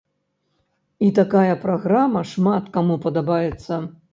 І такая праграма шмат каму падабаецца.